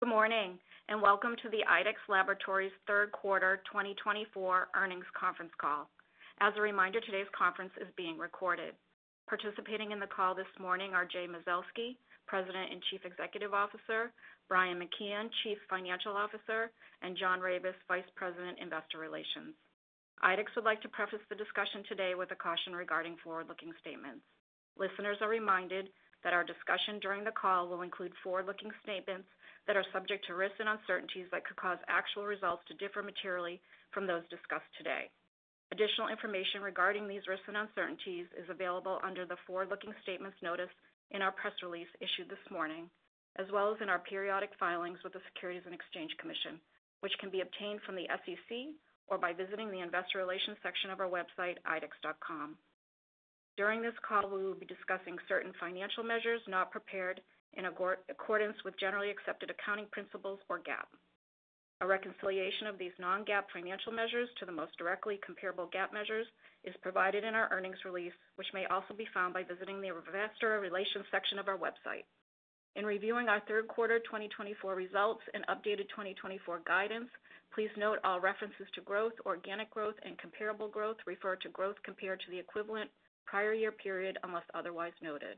Good morning, and welcome to the IDEXX Laboratories third quarter 2024 earnings conference call. As a reminder, today's conference is being recorded. Participating in the call this morning are Jay Mazelsky, President and Chief Executive Officer, Brian McKeon, Chief Financial Officer, and John Ravis, Vice President, Investor Relations. IDEXX would like to preface the discussion today with a caution regarding forward-looking statements. Listeners are reminded that our discussion during the call will include forward-looking statements that are subject to risks and uncertainties that could cause actual results to differ materially from those discussed today. Additional information regarding these risks and uncertainties is available under the forward-looking statements notice in our press release issued this morning, as well as in our periodic filings with the Securities and Exchange Commission, which can be obtained from the SEC or by visiting the Investor Relations section of our website, idxx.com. During this call, we will be discussing certain financial measures not prepared in accordance with generally accepted accounting principles or GAAP. A reconciliation of these non-GAAP financial measures to the most directly comparable GAAP measures is provided in our earnings release, which may also be found by visiting the Investor Relations section of our website. In reviewing our third quarter 2024 results and updated 2024 guidance, please note all references to growth, organic growth, and comparable growth refer to growth compared to the equivalent prior year period unless otherwise noted.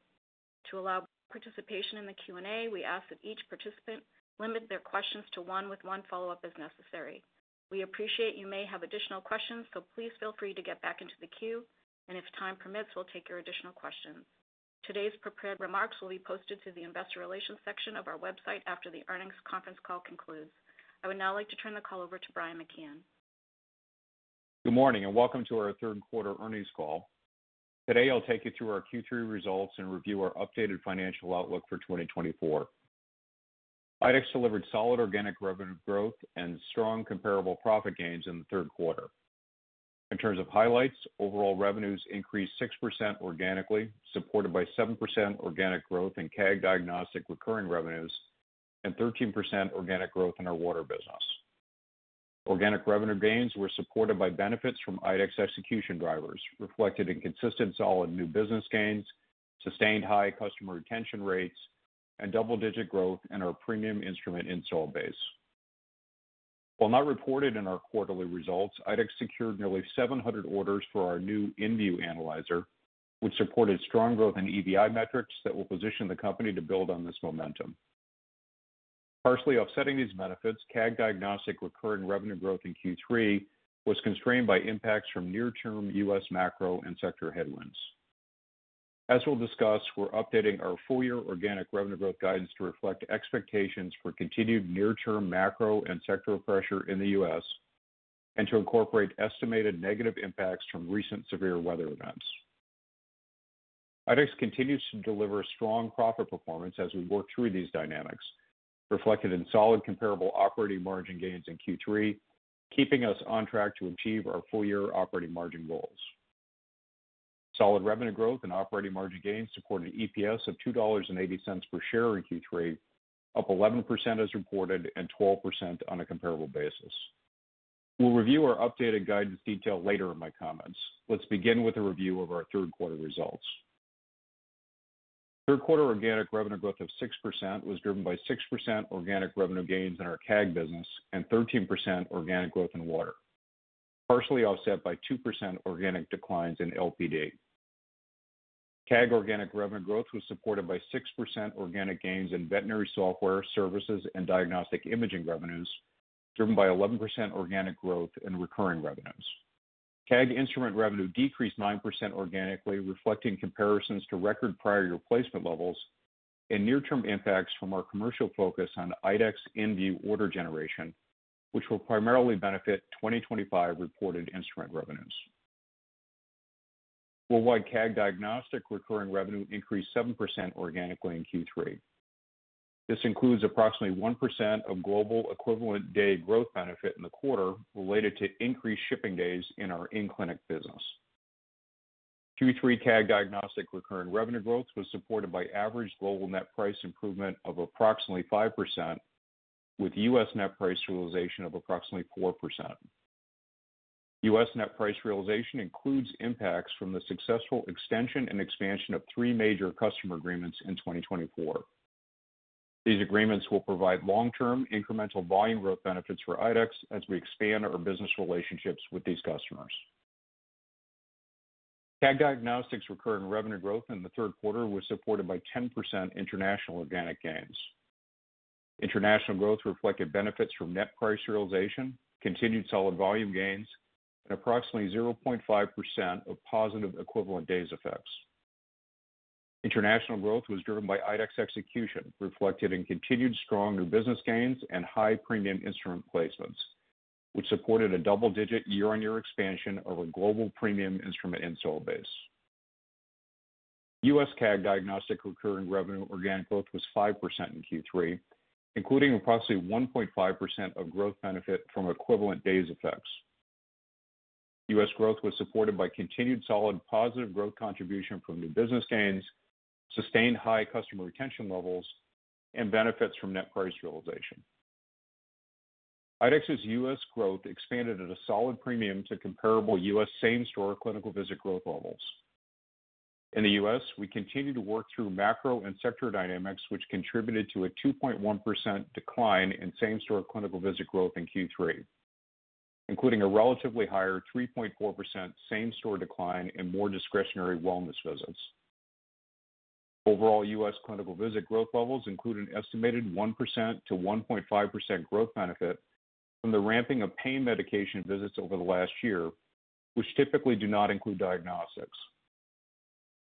To allow participation in the Q&A, we ask that each participant limit their questions to one with one follow-up as necessary. We appreciate you may have additional questions, so please feel free to get back into the queue, and if time permits, we'll take your additional questions. Today's prepared remarks will be posted to the Investor Relations section of our website after the earnings conference call concludes. I would now like to turn the call over to Brian McKeon. Good morning, and welcome to our third quarter earnings call. Today, I'll take you through our Q3 results and review our updated financial outlook for 2024. IDEXX delivered solid organic revenue growth and strong comparable profit gains in the third quarter. In terms of highlights, overall revenues increased 6% organically, supported by 7% organic growth in CAG diagnostic recurring revenues and 13% organic growth in our water business. Organic revenue gains were supported by benefits from IDEXX execution drivers reflected in consistent solid new business gains, sustained high customer retention rates, and double-digit growth in our premium instrument install base. While not reported in our quarterly results, IDEXX secured nearly 700 orders for our new InVue Dx analyzer, which supported strong growth in EVI metrics that will position the company to build on this momentum. Partially offsetting these benefits, CAG diagnostic recurring revenue growth in Q3 was constrained by impacts from near-term U.S. macro and sector headwinds. As we'll discuss, we're updating our full-year organic revenue growth guidance to reflect expectations for continued near-term macro and sector pressure in the U.S. and to incorporate estimated negative impacts from recent severe weather events. IDEXX continues to deliver strong profit performance as we work through these dynamics, reflected in solid comparable operating margin gains in Q3, keeping us on track to achieve our full-year operating margin goals. Solid revenue growth and operating margin gains support an EPS of $2.80 per share in Q3, up 11% as reported and 12% on a comparable basis. We'll review our updated guidance detail later in my comments. Let's begin with a review of our third quarter results. Third quarter organic revenue growth of 6% was driven by 6% organic revenue gains in our CAG business and 13% organic growth in water, partially offset by 2% organic declines in LPD. CAG organic revenue growth was supported by 6% organic gains in veterinary software services and diagnostic imaging revenues, driven by 11% organic growth in recurring revenues. CAG instrument revenue decreased 9% organically, reflecting comparisons to record prior year placement levels and near-term impacts from our commercial focus on IDEXX InVue order generation, which will primarily benefit 2025 reported instrument revenues. Worldwide CAG diagnostic recurring revenue increased 7% organically in Q3. This includes approximately 1% of global equivalent day growth benefit in the quarter related to increased shipping days in our in-clinic business. Q3 CAG diagnostic recurring revenue growth was supported by average global net price improvement of approximately 5%, with U.S. net price realization of approximately 4%. U.S. Net price realization includes impacts from the successful extension and expansion of three major customer agreements in 2024. These agreements will provide long-term incremental volume growth benefits for IDEXX as we expand our business relationships with these customers. CAG diagnostic recurring revenue growth in the third quarter was supported by 10% international organic gains. International growth reflected benefits from net price realization, continued solid volume gains, and approximately 0.5% of positive equivalent days effects. International growth was driven by IDEXX execution, reflected in continued strong new business gains and high premium instrument placements, which supported a double-digit year-on-year expansion of our global premium instrument install base. U.S. CAG diagnostic recurring revenue organic growth was 5% in Q3, including approximately 1.5% of growth benefit from equivalent days effects. U.S. growth was supported by continued solid positive growth contribution from new business gains, sustained high customer retention levels, and benefits from net price realization. IDEXX's U.S. growth expanded at a solid premium to comparable U.S. same-store clinical visit growth levels. In the U.S., we continued to work through macro and sector dynamics, which contributed to a 2.1% decline in same-store clinical visit growth in Q3, including a relatively higher 3.4% same-store decline in more discretionary wellness visits. Overall U.S. clinical visit growth levels include an estimated 1%-1.5% growth benefit from the ramping of pain medication visits over the last year, which typically do not include diagnostics.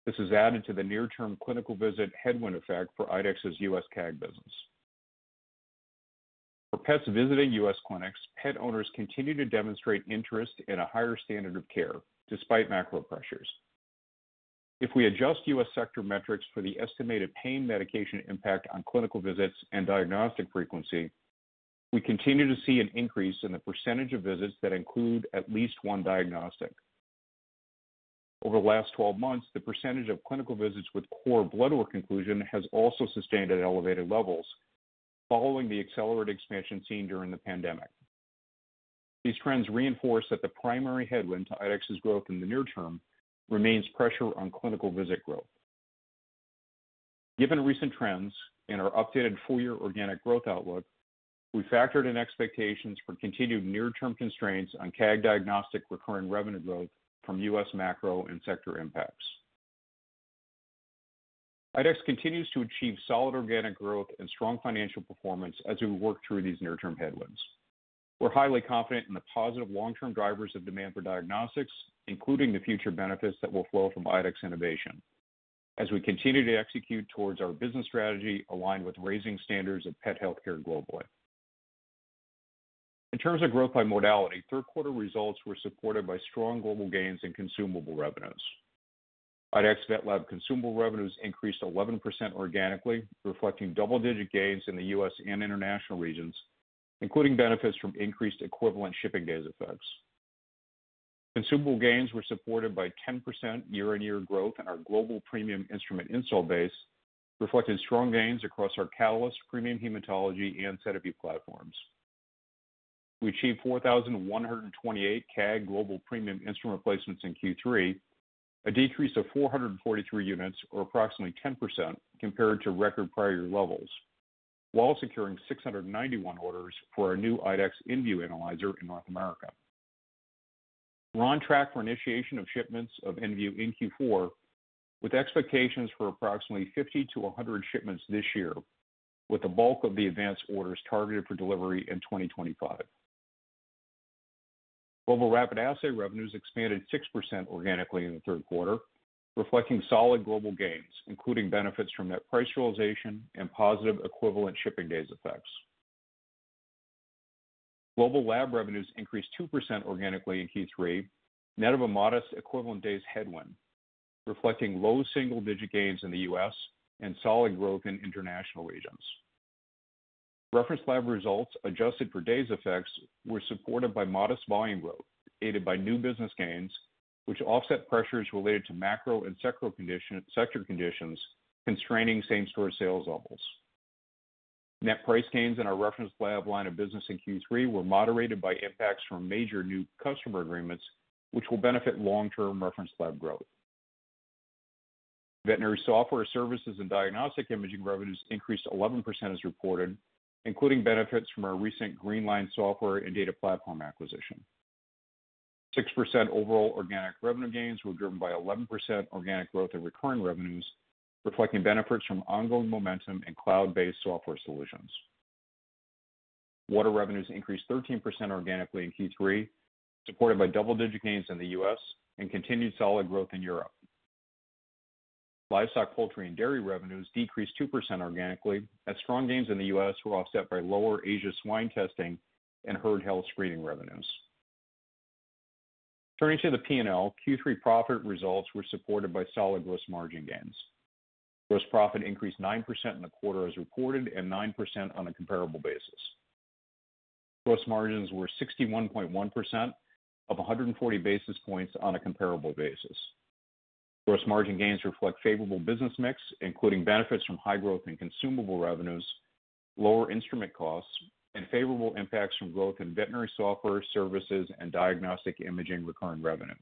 This is added to the near-term clinical visit headwind effect for IDEXX's U.S. CAG business. For pets visiting U.S. clinics, pet owners continue to demonstrate interest in a higher standard of care despite macro pressures. If we adjust U.S. sector metrics for the estimated pain medication impact on clinical visits and diagnostic frequency. We continue to see an increase in the percentage of visits that include at least one diagnostic. Over the last 12 months, the percentage of clinical visits with core bloodwork inclusion has also sustained at elevated levels, following the accelerated expansion seen during the pandemic. These trends reinforce that the primary headwind to IDEXX's growth in the near term remains pressure on clinical visit growth. Given recent trends in our updated full-year organic growth outlook, we factored in expectations for continued near-term constraints on CAG diagnostic recurring revenue growth from U.S. macro and sector impacts. IDEXX continues to achieve solid organic growth and strong financial performance as we work through these near-term headwinds. We're highly confident in the positive long-term drivers of demand for diagnostics, including the future benefits that will flow from IDEXX innovation, as we continue to execute towards our business strategy aligned with raising standards of pet healthcare globally. In terms of growth by modality, third quarter results were supported by strong global gains in consumable revenues. IDEXX VetLab consumable revenues increased 11% organically, reflecting double-digit gains in the U.S. and international regions, including benefits from increased equivalent shipping days effects. Consumable gains were supported by 10% year-on-year growth in our global premium instrument install base, reflecting strong gains across our Catalyst, Premium Hematology, and SediVue Dx platforms. We achieved 4,128 CAG global premium instrument placements in Q3, a decrease of 443 units, or approximately 10% compared to record prior year levels, while securing 691 orders for our new IDEXX InVue Dx analyzer in North America. We're on track for initiation of shipments of inVue Dx in Q4, with expectations for approximately 50 to 100 shipments this year, with the bulk of the advanced orders targeted for delivery in 2025. Global rapid assay revenues expanded 6% organically in the third quarter, reflecting solid global gains, including benefits from net price realization and positive equivalent shipping days effects. Global lab revenues increased 2% organically in Q3, net of a modest equivalent days headwind, reflecting low single-digit gains in the U.S. and solid growth in international regions. Reference lab results adjusted for days effects were supported by modest volume growth aided by new business gains, which offset pressures related to macro and sector conditions constraining same-store sales levels. Net price gains in our reference lab line of business in Q3 were moderated by impacts from major new customer agreements, which will benefit long-term reference lab growth. Veterinary software services and diagnostic imaging revenues increased 11% as reported, including benefits from our recent Greenline software and data platform acquisition. 6% overall organic revenue gains were driven by 11% organic growth in recurring revenues, reflecting benefits from ongoing momentum in cloud-based software solutions. Water revenues increased 13% organically in Q3, supported by double-digit gains in the U.S. and continued solid growth in Europe. Livestock, Poultry and Dairy revenues decreased 2% organically, as strong gains in the U.S. were offset by lower Asia swine testing and herd health screening revenues. Turning to the P&L, Q3 profit results were supported by solid gross margin gains. Gross profit increased 9% in the quarter as reported and 9% on a comparable basis. Gross margins were 61.1% up 140 basis points on a comparable basis. Gross margin gains reflect favorable business mix, including benefits from high growth in consumable revenues, lower instrument costs, and favorable impacts from growth in veterinary software services and diagnostic imaging recurring revenues.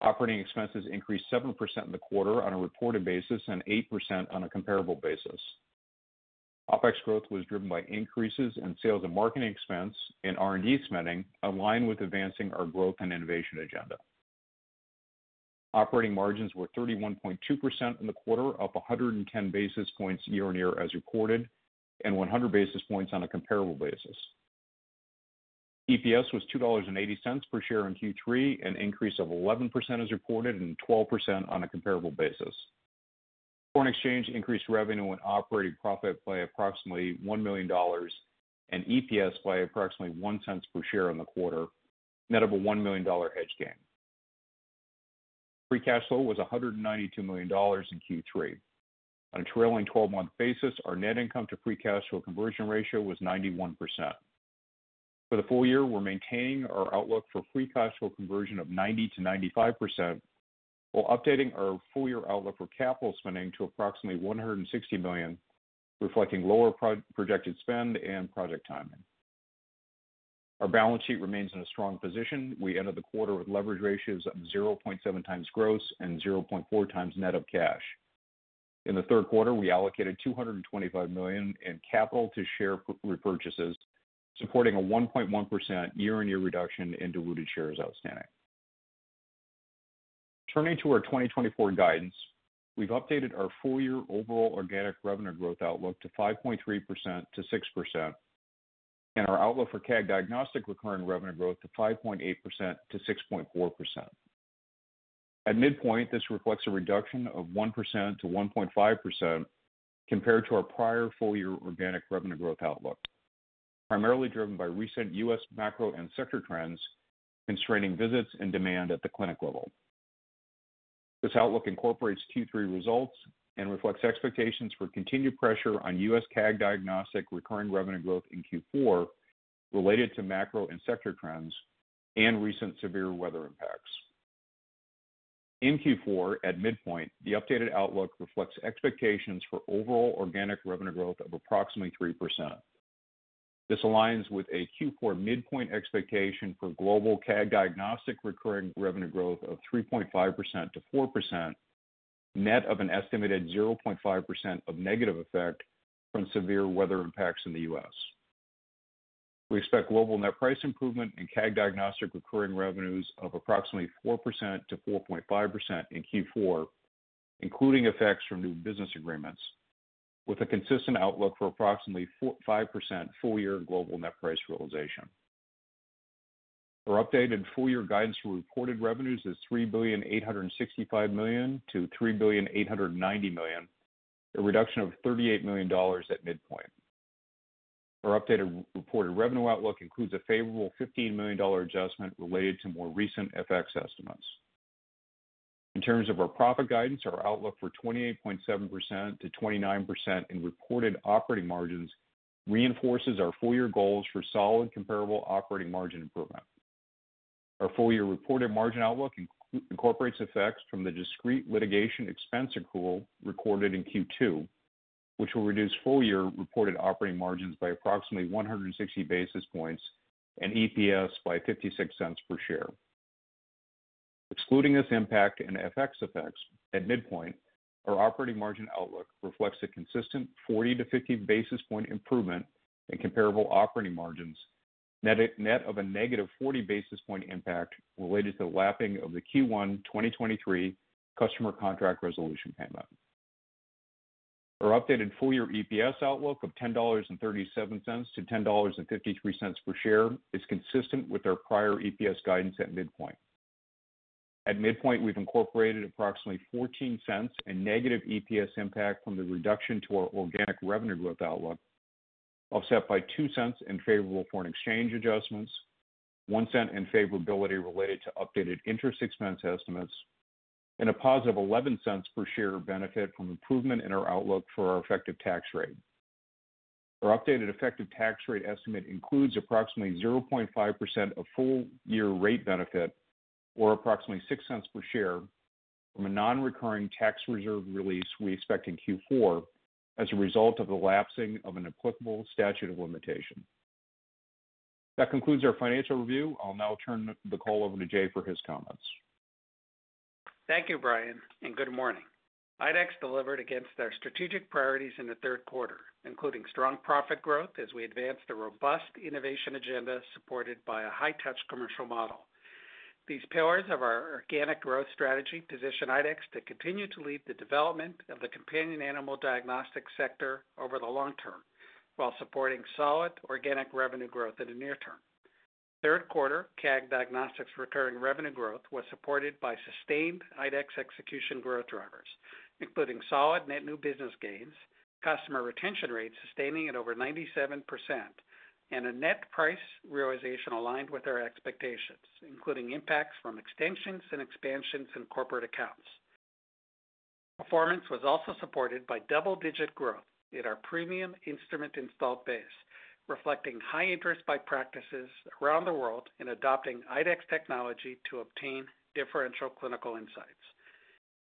Operating expenses increased 7% in the quarter on a reported basis and 8% on a comparable basis. OpEx growth was driven by increases in sales and marketing expense and R&D spending, aligned with advancing our growth and innovation agenda. Operating margins were 31.2% in the quarter, up 110 basis points year-on-year as reported and 100 basis points on a comparable basis. EPS was $2.80 per share in Q3, an increase of 11% as reported and 12% on a comparable basis. Foreign exchange increased revenue and operating profit by approximately $1 million and EPS by approximately $0.01 per share in the quarter, net of a $1 million hedge gain. Free cash flow was $192 million in Q3. On a trailing 12-month basis, our net income to free cash flow conversion ratio was 91%. For the full year, we're maintaining our outlook for free cash flow conversion of 90%-95% while updating our full-year outlook for capital spending to approximately $160 million, reflecting lower projected spend and project timing. Our balance sheet remains in a strong position. We ended the quarter with leverage ratios of 0.7 times gross and 0.4 times net of cash. In the third quarter, we allocated $225 million in capital to share repurchases, supporting a 1.1% year-on-year reduction in diluted shares outstanding. Turning to our 2024 guidance, we've updated our full-year overall organic revenue growth outlook to 5.3%-6% and our outlook for CAG diagnostic recurring revenue growth to 5.8%-6.4%. At midpoint, this reflects a reduction of 1%-1.5% compared to our prior full-year organic revenue growth outlook, primarily driven by recent U.S. macro and sector trends constraining visits and demand at the clinic level. This outlook incorporates Q3 results and reflects expectations for continued pressure on U.S. CAG diagnostic recurring revenue growth in Q4 related to macro and sector trends and recent severe weather impacts. In Q4, at midpoint, the updated outlook reflects expectations for overall organic revenue growth of approximately 3%. This aligns with a Q4 midpoint expectation for global CAG diagnostic recurring revenue growth of 3.5%-4%, net of an estimated 0.5% of negative effect from severe weather impacts in the U.S. We expect global net price improvement in CAG diagnostic recurring revenues of approximately 4%-4.5% in Q4, including effects from new business agreements, with a consistent outlook for approximately 5% full-year global net price realization. Our updated full-year guidance for reported revenues is $3,865 million-$3,890 million, a reduction of $38 million at midpoint. Our updated reported revenue outlook includes a favorable $15 million adjustment related to more recent FX estimates. In terms of our profit guidance, our outlook for 28.7%-29% in reported operating margins reinforces our full-year goals for solid comparable operating margin improvement. Our full-year reported margin outlook incorporates effects from the discrete litigation expense accrual recorded in Q2, which will reduce full-year reported operating margins by approximately 160 basis points and EPS by $0.56 per share. Excluding this impact in FX effects, at midpoint, our operating margin outlook reflects a consistent 40-50 basis point improvement in comparable operating margins, net of a negative 40 basis point impact related to the lapping of the Q1 2023 customer contract resolution payment. Our updated full-year EPS outlook of $10.37-$10.53 per share is consistent with our prior EPS guidance at midpoint. At midpoint, we've incorporated approximately $0.14 in negative EPS impact from the reduction to our organic revenue growth outlook, offset by $0.02 in favorable foreign exchange adjustments, $0.01 in favorability related to updated interest expense estimates, and a positive $0.11 per share benefit from improvement in our outlook for our effective tax rate. Our updated effective tax rate estimate includes approximately 0.5% of full-year rate benefit, or approximately $0.06 per share, from a non-recurring tax reserve release we expect in Q4 as a result of the lapsing of an applicable statute of limitation. That concludes our financial review. I'll now turn the call over to Jay for his comments. Thank you, Brian, and good morning. IDEXX delivered against our strategic priorities in the third quarter, including strong profit growth as we advanced a robust innovation agenda supported by a high-touch commercial model. These pillars of our organic growth strategy position IDEXX to continue to lead the development of the companion animal diagnostic sector over the long term while supporting solid organic revenue growth in the near term. Third quarter, CAG diagnostics' recurring revenue growth was supported by sustained IDEXX execution growth drivers, including solid net new business gains, customer retention rates sustaining at over 97%, and a net price realization aligned with our expectations, including impacts from extensions and expansions in corporate accounts. Performance was also supported by double-digit growth in our premium instrument install base, reflecting high interest by practices around the world in adopting IDEXX technology to obtain differential clinical insights.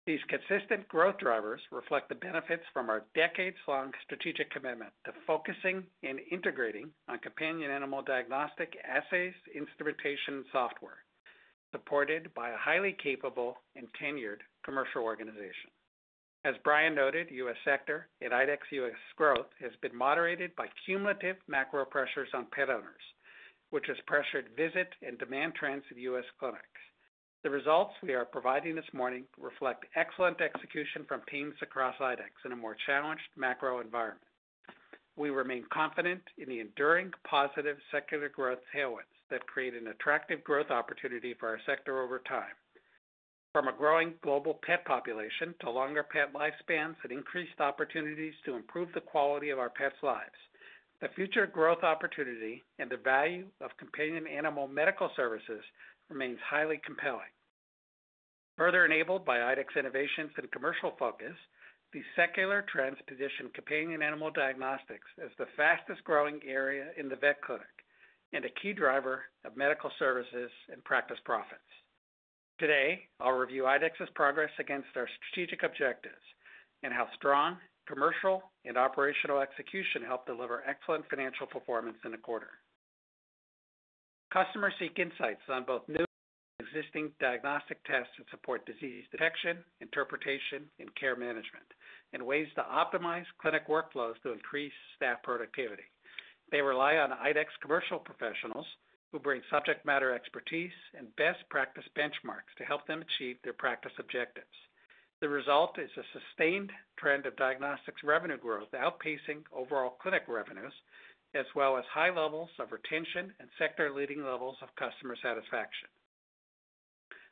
These consistent growth drivers reflect the benefits from our decades-long strategic commitment to focusing and integrating on companion animal diagnostic assays instrumentation software, supported by a highly capable and tenured commercial organization. As Brian noted, U.S. sector and IDEXX U.S. growth has been moderated by cumulative macro pressures on pet owners, which has pressured visit and demand trends in U.S. clinics. The results we are providing this morning reflect excellent execution from teams across IDEXX in a more challenged macro environment. We remain confident in the enduring positive secular growth tailwinds that create an attractive growth opportunity for our sector over time. From a growing global pet population to longer pet lifespans and increased opportunities to improve the quality of our pets' lives, the future growth opportunity and the value of companion animal medical services remains highly compelling. Further enabled by IDEXX innovations and commercial focus, these secular trends position companion animal diagnostics as the fastest-growing area in the vet clinic and a key driver of medical services and practice profits. Today, I'll review IDEXX's progress against our strategic objectives and how strong commercial and operational execution helped deliver excellent financial performance in the quarter. Customers seek insights on both new and existing diagnostic tests to support disease detection, interpretation, and care management, and ways to optimize clinic workflows to increase staff productivity. They rely on IDEXX commercial professionals who bring subject matter expertise and best practice benchmarks to help them achieve their practice objectives. The result is a sustained trend of diagnostics revenue growth outpacing overall clinic revenues, as well as high levels of retention and sector-leading levels of customer satisfaction.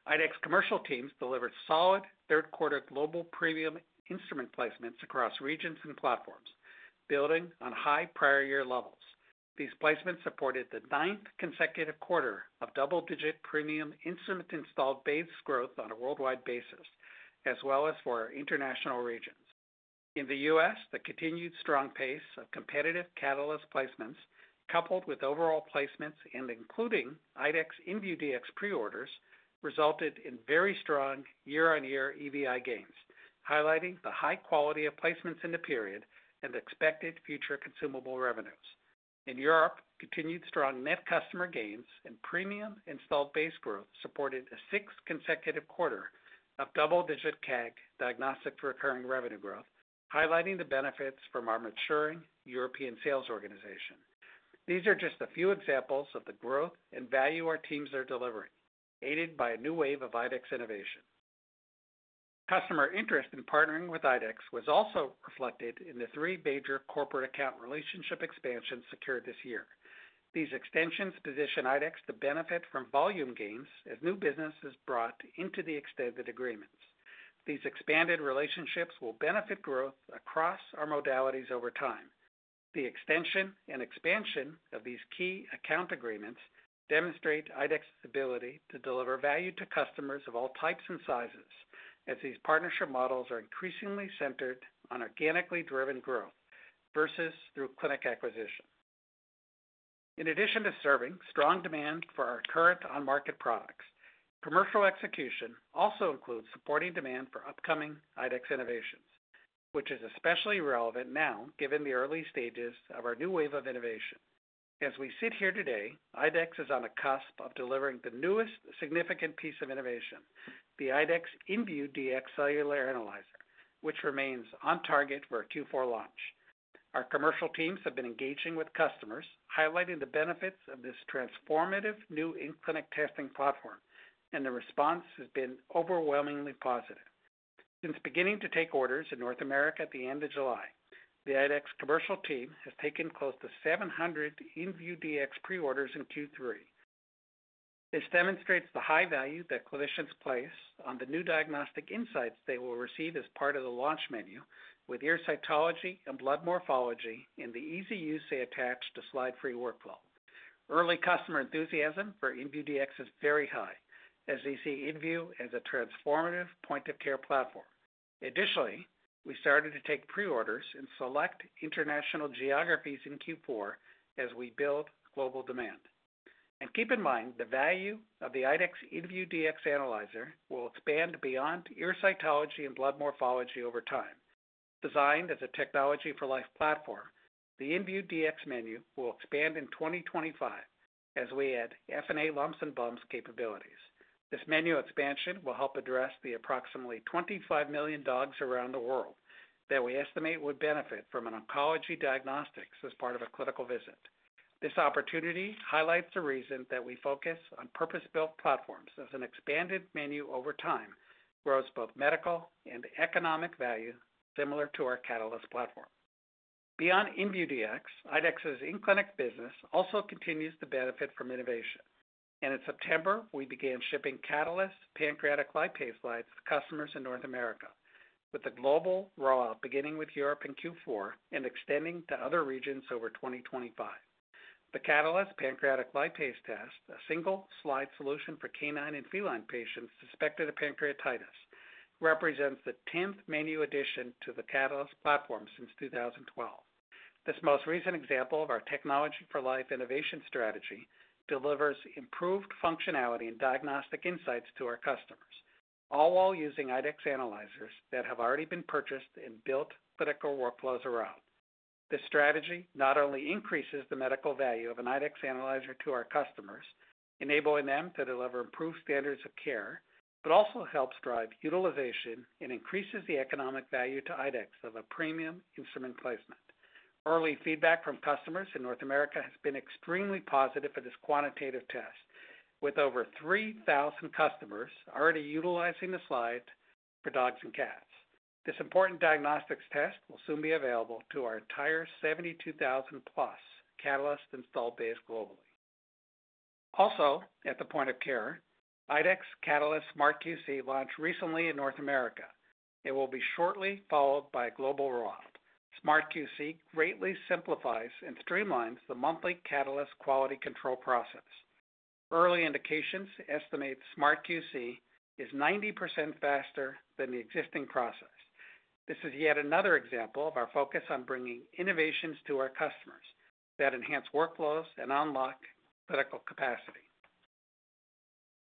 IDEXX commercial teams delivered solid third-quarter global premium instrument placements across regions and platforms, building on high prior-year levels. These placements supported the ninth consecutive quarter of double-digit premium instrument installed base growth on a worldwide basis, as well as for international regions. In the U.S., the continued strong pace of competitive catalyst placements, coupled with overall placements and including IDEXX InVue Dx preorders, resulted in very strong year-on-year EVI gains, highlighting the high quality of placements in the period and expected future consumable revenues. In Europe, continued strong net customer gains and premium install base growth supported a sixth consecutive quarter of double-digit CAG diagnostic for recurring revenue growth, highlighting the benefits from our maturing European sales organization. These are just a few examples of the growth and value our teams are delivering, aided by a new wave of IDEXX innovation. Customer interest in partnering with IDEXX was also reflected in the three major corporate account relationship expansions secured this year. These extensions position IDEXX to benefit from volume gains as new business is brought into the extended agreements. These expanded relationships will benefit growth across our modalities over time. The extension and expansion of these key account agreements demonstrate IDEXX's ability to deliver value to customers of all types and sizes, as these partnership models are increasingly centered on organically driven growth versus through clinic acquisition. In addition to serving strong demand for our current on-market products, commercial execution also includes supporting demand for upcoming IDEXX innovations, which is especially relevant now given the early stages of our new wave of innovation. As we sit here today, IDEXX is on a cusp of delivering the newest significant piece of innovation, the IDEXX inVue Dx cellular analyzer, which remains on target for a Q4 launch. Our commercial teams have been engaging with customers, highlighting the benefits of this transformative new in-clinic testing platform, and the response has been overwhelmingly positive. Since beginning to take orders in North America at the end of July, the IDEXX commercial team has taken close to 700 inVue Dx preorders in Q3. This demonstrates the high value that clinicians place on the new diagnostic insights they will receive as part of the launch menu, with ear cytology and blood morphology in the ease of use they attach to slide-free workflow. Early customer enthusiasm for inVue Dx is very high, as they see inVue Dx as a transformative point-of-care platform. Additionally, we started to take preorders in select international geographies in Q4 as we build global demand. And keep in mind, the value of the IDEXX inVue Dx analyzer will expand beyond ear cytology and blood morphology over time. Designed as a technology-for-life platform, the inVue Dx menu will expand in 2025 as we add FNA lumps and bumps capabilities. This menu expansion will help address the approximately 25 million dogs around the world that we estimate would benefit from an oncology diagnostics as part of a clinical visit. This opportunity highlights the reason that we focus on purpose-built platforms as an expanded menu over time grows both medical and economic value similar to our Catalyst platform. Beyond inVue Dx, IDEXX's in-clinic business also continues to benefit from innovation and in September, we began shipping Catalyst Pancreatic Lipase slides to customers in North America, with the global rollout beginning with Europe in Q4 and extending to other regions over 2025. The Catalyst Pancreatic Lipase test, a single slide solution for canine and feline patients suspected of pancreatitis, represents the 10th menu addition to the Catalyst platform since 2012. This most recent example of our technology-for-life innovation strategy delivers improved functionality and diagnostic insights to our customers, all while using IDEXX analyzers that have already been purchased and built clinical workflows around. This strategy not only increases the medical value of an IDEXX analyzer to our customers, enabling them to deliver improved standards of care, but also helps drive utilization and increases the economic value to IDEXX of a premium instrument placement. Early feedback from customers in North America has been extremely positive for this quantitative test, with over 3,000 customers already utilizing the slides for dogs and cats. This important diagnostics test will soon be available to our entire 72,000-plus Catalyst install base globally. Also, at the point of care, IDEXX Catalyst SmartQC launched recently in North America. It will be shortly followed by a global rollout. SmartQC greatly simplifies and streamlines the monthly Catalyst quality control process. Early indications estimate SmartQC is 90% faster than the existing process. This is yet another example of our focus on bringing innovations to our customers that enhance workflows and unlock critical capacity.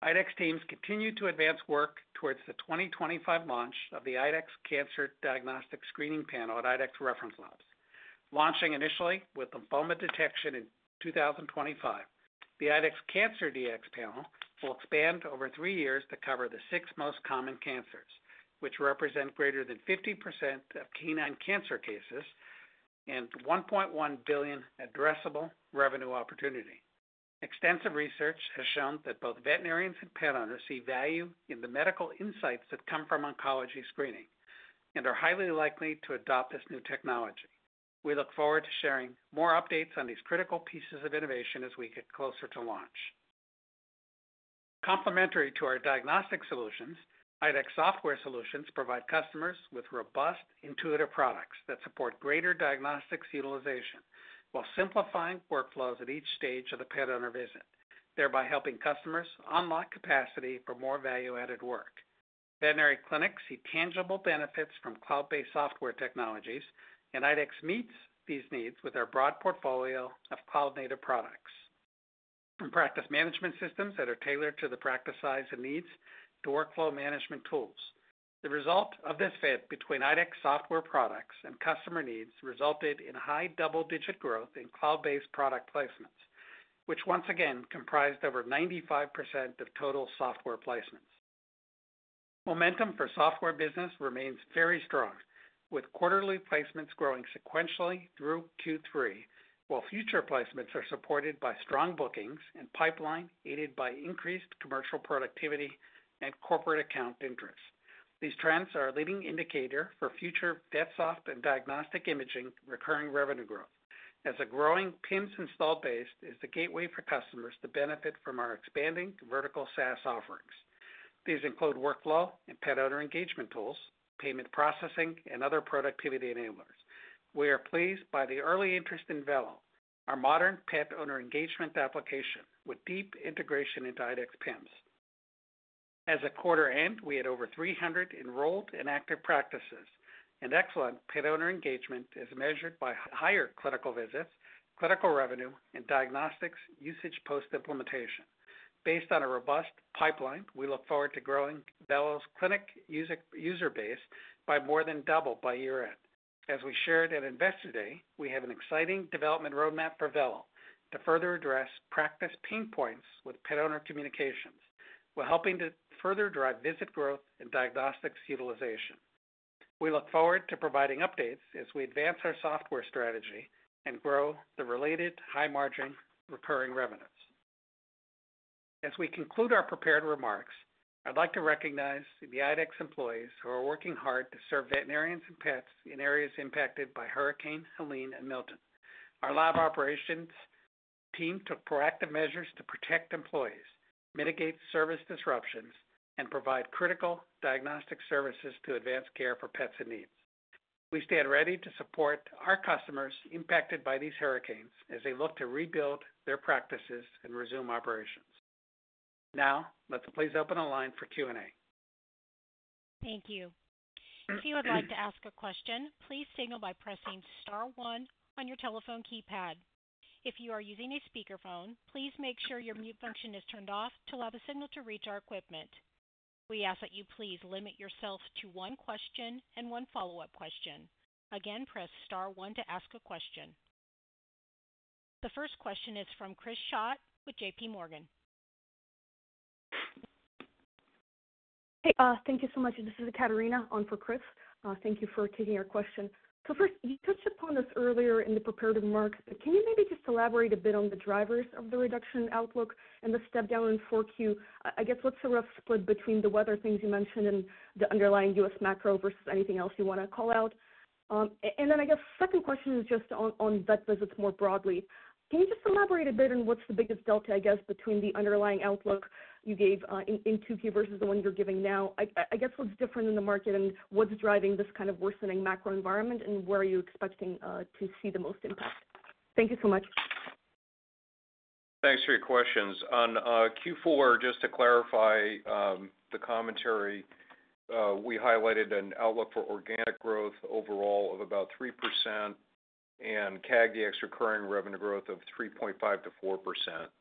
IDEXX teams continue to advance work towards the 2025 launch of the IDEXX Cancer Diagnostic Screening Panel at IDEXX Reference Labs. Launching initially with lymphoma detection in 2025, the IDEXX Cancer Dx panel will expand over three years to cover the six most common cancers, which represent greater than 50% of canine cancer cases and $1.1 billion addressable revenue opportunity. Extensive research has shown that both veterinarians and pet owners see value in the medical insights that come from oncology screening and are highly likely to adopt this new technology. We look forward to sharing more updates on these critical pieces of innovation as we get closer to launch. Complementary to our diagnostic solutions, IDEXX software solutions provide customers with robust, intuitive products that support greater diagnostics utilization while simplifying workflows at each stage of the pet owner visit, thereby helping customers unlock capacity for more value-added work. Veterinary clinics see tangible benefits from cloud-based software technologies, and IDEXX meets these needs with our broad portfolio of cloud-native products and practice management systems that are tailored to the practice size and needs to workflow management tools. The result of this fit between IDEXX software products and customer needs resulted in high double-digit growth in cloud-based product placements, which once again comprised over 95% of total software placements. Momentum for software business remains very strong, with quarterly placements growing sequentially through Q3, while future placements are supported by strong bookings and pipeline aided by increased commercial productivity and corporate account interests. These trends are a leading indicator for future software and diagnostic imaging recurring revenue growth, as a growing PIMS install base is the gateway for customers to benefit from our expanding vertical SaaS offerings. These include workflow and pet owner engagement tools, payment processing, and other productivity enablers. We are pleased by the early interest in Vello, our modern pet owner engagement application with deep integration into IDEXX PIMS. As of quarter end, we had over 300 enrolled and active practices, and excellent pet owner engagement is measured by higher clinical visits, clinical revenue, and diagnostics usage post-implementation. Based on a robust pipeline, we look forward to growing Vello's clinic user base by more than double by year-end. As we shared at Investor Day, we have an exciting development roadmap for Vello to further address practice pain points with pet owner communications, while helping to further drive visit growth and diagnostics utilization. We look forward to providing updates as we advance our software strategy and grow the related high-margin recurring revenues. As we conclude our prepared remarks, I'd like to recognize the IDEXX employees who are working hard to serve veterinarians and pets in areas impacted by Hurricane Helene and Milton. Our lab operations team took proactive measures to protect employees, mitigate service disruptions, and provide critical diagnostic services to advance care for pets' needs. We stand ready to support our customers impacted by these hurricanes as they look to rebuild their practices and resume operations. Now, let's please open a line for Q&A. Thank you. If you would like to ask a question, please signal by pressing star one on your telephone keypad. If you are using a speakerphone, please make sure your mute function is turned off to allow the signal to reach our equipment. We ask that you please limit yourself to one question and one follow-up question. Again, press star one to ask a question. The first question is from Chris Schott with J.P. Morgan. Hey, thank you so much. This is Ekaterina on for Chris. Thank you for taking our question. So first, you touched upon this earlier in the prepared remarks, but can you maybe just elaborate a bit on the drivers of the reduction outlook and the step down in four Q? I guess what's the rough split between the weather things you mentioned and the underlying U.S. Macro versus anything else you want to call out? And then I guess the second question is just on vet visits more broadly. Can you just elaborate a bit on what's the biggest delta, I guess, between the underlying outlook you gave in 2Q versus the one you're giving now? I guess what's different in the market and what's driving this kind of worsening macro environment and where are you expecting to see the most impact? Thank you so much. Thanks for your questions. On Q4, just to clarify the commentary, we highlighted an outlook for organic growth overall of about 3% and CAG DX recurring revenue growth of 3.5%-4%.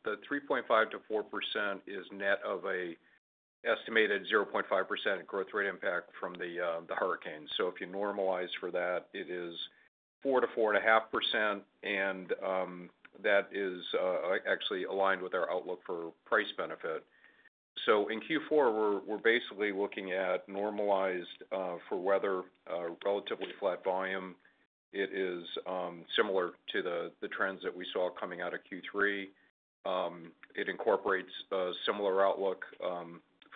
The 3.5%-4% is net of an estimated 0.5% growth rate impact from the hurricane. So if you normalize for that, it is 4%-4.5%, and that is actually aligned with our outlook for price benefit. So in Q4, we're basically looking at normalized for weather, relatively flat volume. It is similar to the trends that we saw coming out of Q3. It incorporates a similar outlook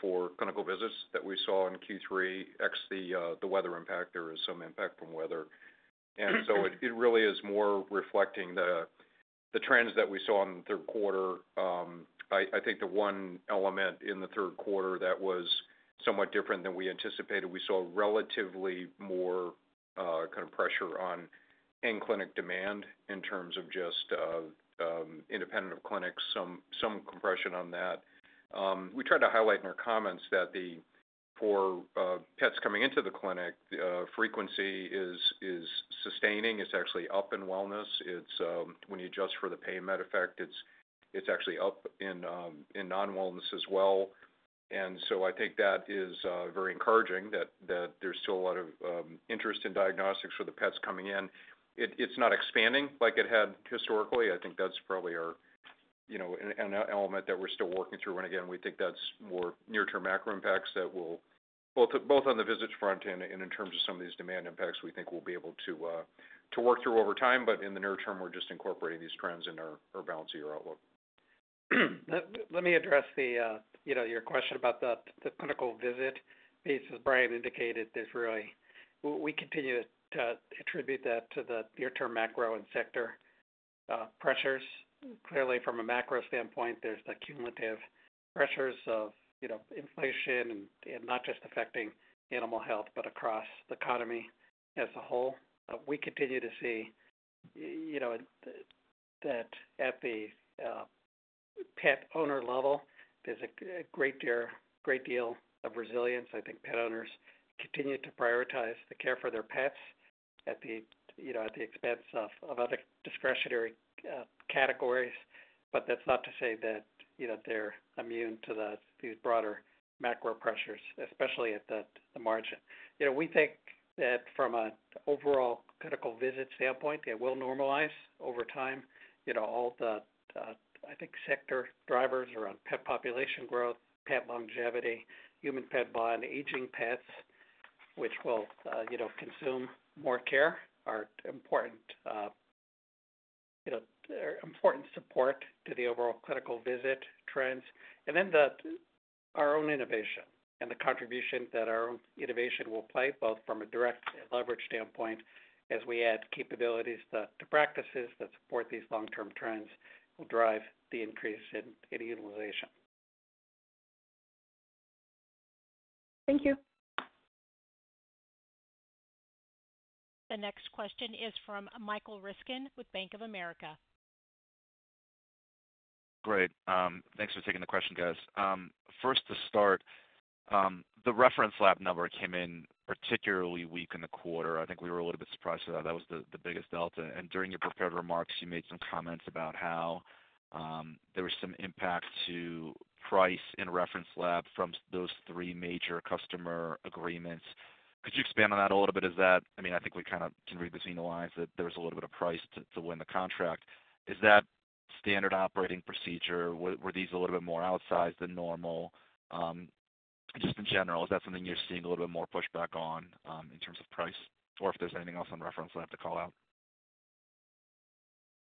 for clinical visits that we saw in Q3, ex the weather impact. There is some impact from weather. And so it really is more reflecting the trends that we saw in the third quarter. I think the one element in the third quarter that was somewhat different than we anticipated. We saw relatively more kind of pressure on in-clinic demand in terms of just independent of clinics, some compression on that. We tried to highlight in our comments that for pets coming into the clinic, frequency is sustaining. It's actually up in wellness. When you adjust for the pain med effect, it's actually up in non-wellness as well. And so I think that is very encouraging that there's still a lot of interest in diagnostics for the pets coming in. It's not expanding like it had historically. I think that's probably an element that we're still working through. And again, we think that's more near-term macro impacts that will, both on the visit front and in terms of some of these demand impacts, we think we'll be able to work through over time. But in the near term, we're just incorporating these trends in our balance of year outlook. Let me address your question about the clinical visit piece. As Brian indicated, there's really, we continue to attribute that to the near-term macro and sector pressures. Clearly, from a macro standpoint, there's the cumulative pressures of inflation and not just affecting animal health, but across the economy as a whole. We continue to see that at the pet owner level, there's a great deal of resilience. I think pet owners continue to prioritize the care for their pets at the expense of other discretionary categories. But that's not to say that they're immune to these broader macro pressures, especially at the margin. We think that from an overall clinical visit standpoint, it will normalize over time. All the, I think, sector drivers around pet population growth, pet longevity, human-pet bond, aging pets, which will consume more care, are important support to the overall clinical visit trends. And then our own innovation and the contribution that our own innovation will play, both from a direct and leverage standpoint, as we add capabilities to practices that support these long-term trends will drive the increase in utilization. Thank you. The next question is from Michael Ryskin with Bank of America. Great. Thanks for taking the question, guys. First to start, the reference lab number came in particularly weak in the quarter. I think we were a little bit surprised about that. That was the biggest delta. And during your prepared remarks, you made some comments about how there was some impact to price in reference lab from those three major customer agreements. Could you expand on that a little bit? I mean, I think we kind of can read between the lines that there was a little bit of price to win the contract. Is that standard operating procedure? Were these a little bit more outsized than normal? Just in general, is that something you're seeing a little bit more pushback on in terms of price? Or if there's anything else on reference lab to call out?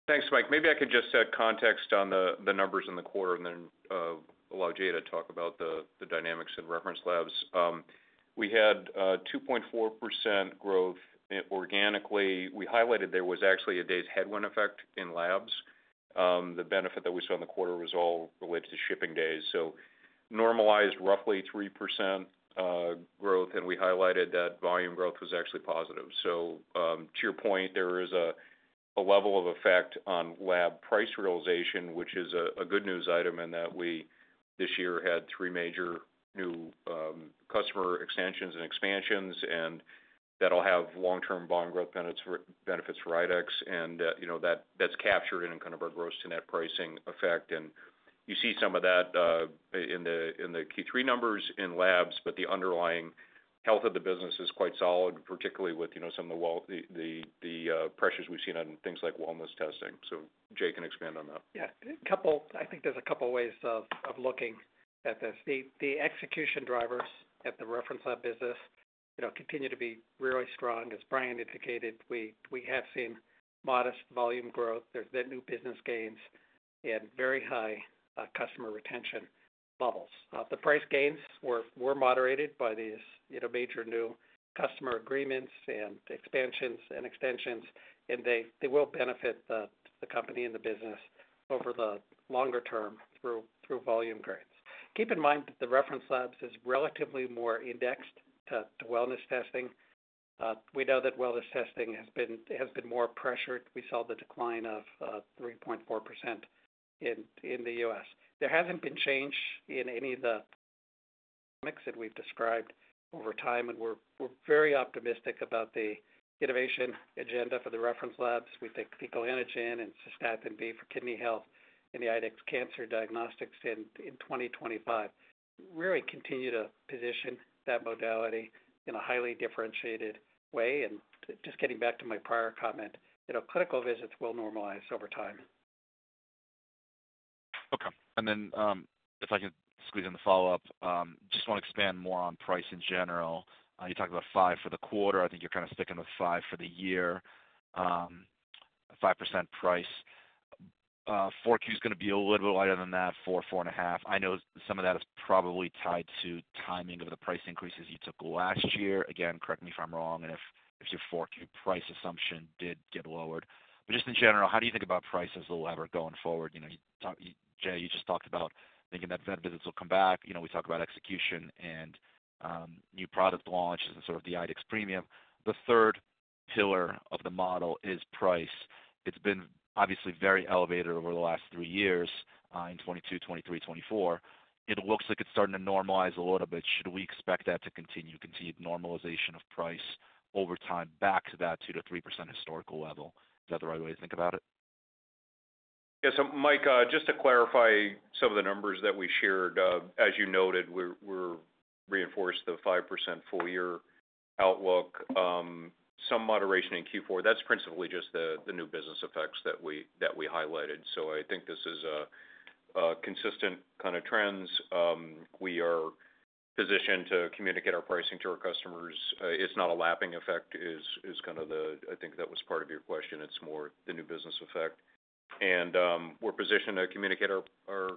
Thanks, Mike. Maybe I can just add context on the numbers in the quarter and then allow Jay to talk about the dynamics in reference labs. We had 2.4% growth organically. We highlighted there was actually a day's headwind effect in labs. The benefit that we saw in the quarter was all related to shipping days. So normalized roughly 3% growth, and we highlighted that volume growth was actually positive. So to your point, there is a level of effect on lab price realization, which is a good news item in that we this year had three major new customer extensions and expansions, and that'll have long-term beyond growth benefits for IDEXX. And that's captured in kind of our gross to net pricing effect. And you see some of that in the Q3 numbers in labs, but the underlying health of the business is quite solid, particularly with some of the pressures we've seen on things like wellness testing. So Jay can expand on that. Yeah. I think there's a couple of ways of looking at this. The execution drivers at the reference lab business continue to be really strong. As Brian indicated, we have seen modest volume growth. There's been new business gains and very high customer retention levels. The price gains were moderated by these major new customer agreements and expansions and extensions, and they will benefit the company and the business over the longer term through volume grids. Keep in mind that the reference labs is relatively more indexed to wellness testing. We know that wellness testing has been more pressured. We saw the decline of 3.4% in the U.S. There hasn't been change in any of the topics that we've described over time, and we're very optimistic about the innovation agenda for the reference labs. We think fecal antigen and cystatin B for kidney health and the IDEXX Cancer Diagnostics in 2025. Really continue to position that modality in a highly differentiated way. And just getting back to my prior comment, clinical visits will normalize over time. Okay. And then if I can squeeze in the follow-up, just want to expand more on price in general. You talked about 5% for the quarter. I think you're kind of sticking with 5% for the year, 5% price. Q4 is going to be a little bit lighter than that, 4%-4.5%. I know some of that is probably tied to timing of the price increases you took last year. Again, correct me if I'm wrong, and if your 4Q price assumption did get lowered, but just in general, how do you think about price as a lever going forward? Jay, you just talked about thinking that vet visits will come back. We talked about execution and new product launches and sort of the IDEXX premium. The third pillar of the model is price. It's been obviously very elevated over the last three years in 2022, 2023, 2024. It looks like it's starting to normalize a little bit. Should we expect that to continue, continued normalization of price over time back to that 2%-3% historical level? Is that the right way to think about it? Yeah. So Mike, just to clarify some of the numbers that we shared, as you noted, we're reinforced the 5% full year outlook, some moderation in Q4. That's principally just the new business effects that we highlighted. So I think this is a consistent kind of trend. We are positioned to communicate our pricing to our customers. It's not a lapping effect, is kind of the I think that was part of your question. It's more the new business effect. And we're positioned to communicate our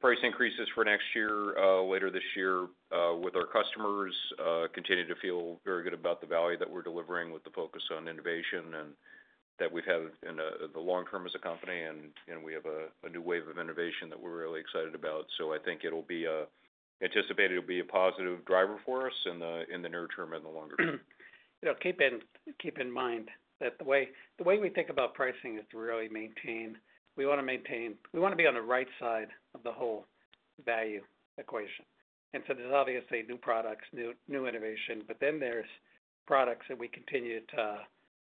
price increases for next year, later this year with our customers, continue to feel very good about the value that we're delivering with the focus on innovation and that we've had in the long term as a company. And we have a new wave of innovation that we're really excited about. So I think it'll be anticipated to be a positive driver for us in the near term and the longer term. Keep in mind that the way we think about pricing is to really maintain. We want to maintain we want to be on the right side of the whole value equation. And so there's obviously new products, new innovation, but then there's products that we continue to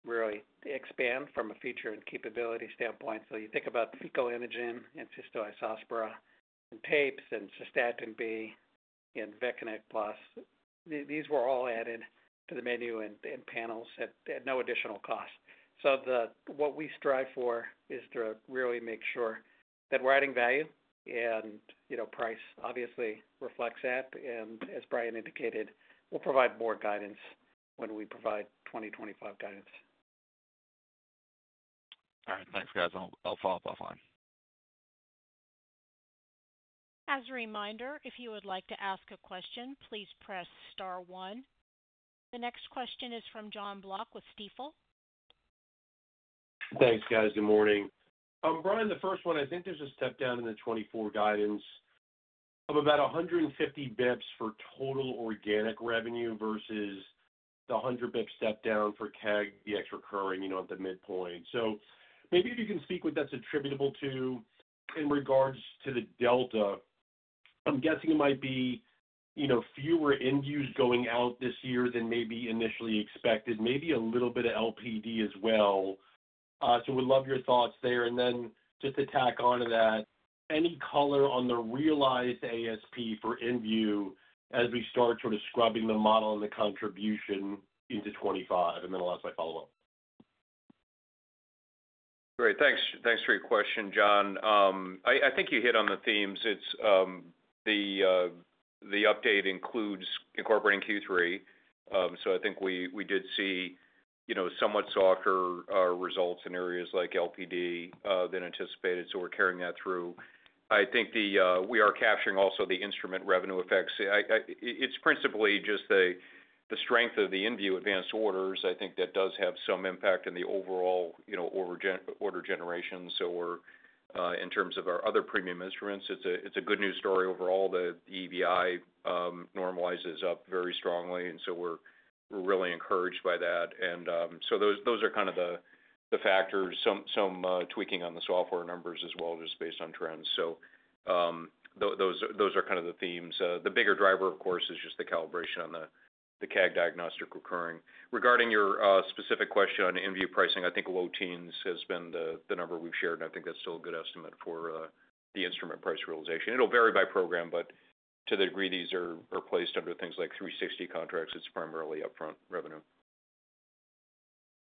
really expand from a feature and capability standpoint. So you think about fecal antigen and Cystoisospora and tapes and Cystatin B and VetConnect PLUS. These were all added to the menu and panels at no additional cost. So what we strive for is to really make sure that we're adding value, and price obviously reflects that. And as Brian indicated, we'll provide more guidance when we provide 2025 guidance. All right. Thanks, guys. I'll follow up offline. As a reminder, if you would like to ask a question, please press star one. The next question is from Jon Block with Stifel. Thanks, guys. Good morning. Brian, the first one, I think there's a step down in the 2024 guidance of about 150 basis points for total organic revenue versus the 100 basis points step down for CAG DX recurring at the midpoint. So maybe if you can speak what that's attributable to in regards to the delta, I'm guessing it might be fewer inVues going out this year than maybe initially expected, maybe a little bit of LPD as well. So we'd love your thoughts there. And then just to tack on to that, any color on the realized ASP for inVue as we start sort of scrubbing the model and the contribution into 2025? And then I'll ask my follow-up. Great. Thanks for your question, John. I think you hit on the themes. The update includes incorporating Q3. So I think we did see somewhat softer results in areas like LPD than anticipated. So we're carrying that through. I think we are capturing also the instrument revenue effects. It's principally just the strength of the inVue advanced orders. I think that does have some impact in the overall order generation. So in terms of our other premium instruments, it's a good news story overall. The EVI normalizes up very strongly. And so we're really encouraged by that. And so those are kind of the factors, some tweaking on the software numbers as well, just based on trends. So those are kind of the themes. The bigger driver, of course, is just the calibration on the CAG diagnostic recurring. Regarding your specific question on inVue pricing, I think low teens has been the number we've shared. And I think that's still a good estimate for the instrument price realization. It'll vary by program, but to the degree these are placed under things like 360 contracts, it's primarily upfront revenue.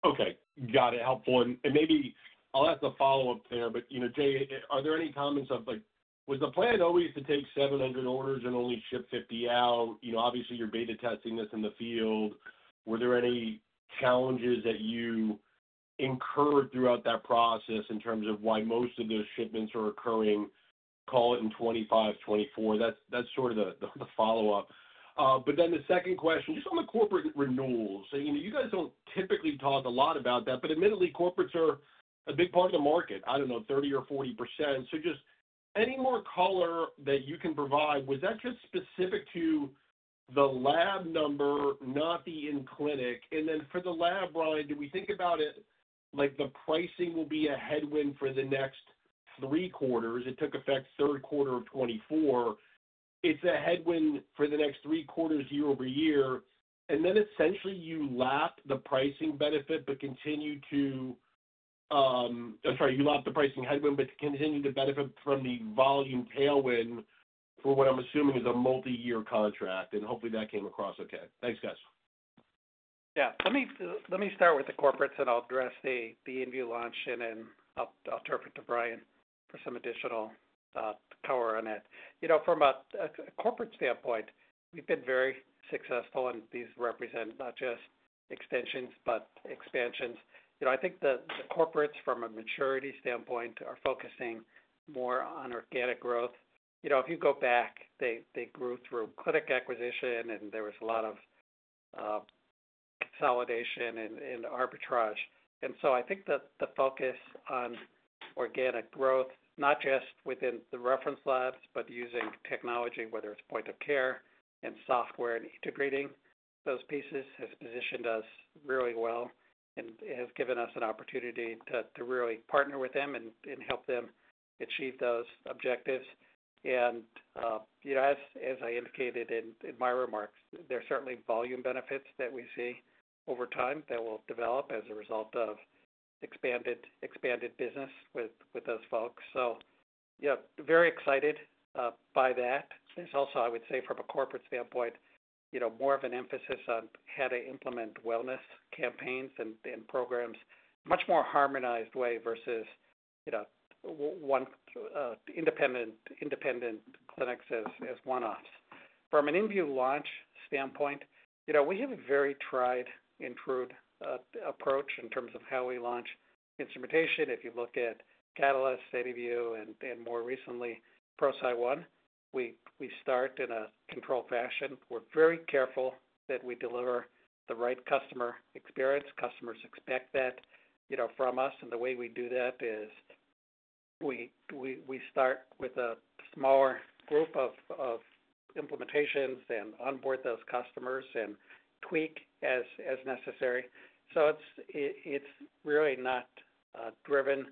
Okay. Got it. Helpful. And maybe I'll ask a follow-up there, but Jay, are there any comments or was the plan always to take 700 orders and only ship 50 out? Obviously, you're beta testing this in the field. Were there any challenges that you incurred throughout that process in terms of why most of those shipments are occurring, call it in 2025, 2024? That's sort of the follow-up. But then the second question, just on the corporate renewals. You guys don't typically talk a lot about that, but admittedly, corporates are a big part of the market. I don't know, 30% or 40%. So just any more color that you can provide. Was that just specific to the lab number, not the in-clinic? And then for the lab, Brian, did we think about it like the pricing will be a headwind for the next three quarters? It took effect third quarter of 2024. It's a headwind for the next three quarters year over year. And then essentially, you lapped the pricing benefit, but continue to—I'm sorry, you lapped the pricing headwind, but continue to benefit from the volume tailwind for what I'm assuming is a multi-year contract. And hopefully, that came across okay. Thanks, guys. Yeah. Let me start with the corporates, and I'll address the inVue launch, and then I'll turn it to Brian for some additional color on it. From a corporate standpoint, we've been very successful, and these represent not just extensions, but expansions. I think the corporates, from a maturity standpoint, are focusing more on organic growth. If you go back, they grew through clinic acquisition, and there was a lot of consolidation and arbitrage, and so I think that the focus on organic growth, not just within the reference labs, but using technology, whether it's point of care and software and integrating those pieces, has positioned us really well and has given us an opportunity to really partner with them and help them achieve those objectives, and as I indicated in my remarks, there are certainly volume benefits that we see over time that will develop as a result of expanded business with those folks, so very excited by that. There's also, I would say, from a corporate standpoint, more of an emphasis on how to implement wellness campaigns and programs in a much more harmonized way versus one independent clinics as one-offs. From an inVue launch standpoint, we have a very tried and true approach in terms of how we launch instrumentation. If you look at Catalyst, SediVue Dx, and more recently, ProCyte One, we start in a controlled fashion. We're very careful that we deliver the right customer experience. Customers expect that from us. And the way we do that is we start with a smaller group of implementations and onboard those customers and tweak as necessary. So it's really not driven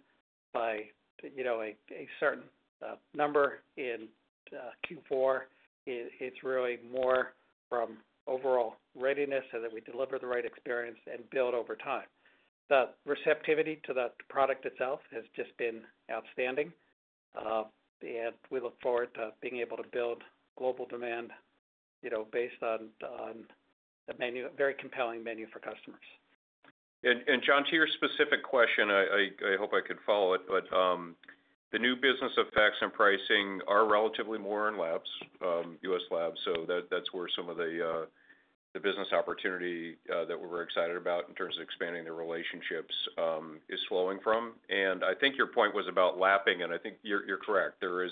by a certain number in Q4. It's really more from overall readiness so that we deliver the right experience and build over time. The receptivity to the product itself has just been outstanding. And we look forward to being able to build global demand based on a very compelling menu for customers. And John, to your specific question, I hope I could follow it, but the new business effects and pricing are relatively more in labs, U.S. labs. So that's where some of the business opportunity that we were excited about in terms of expanding their relationships is flowing from. And I think your point was about lapping, and I think you're correct. There is